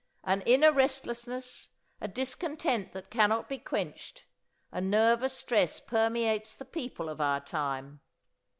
An inner restlessness, a discontent that cannot be quenched, a nervous stress permeates the people of our time.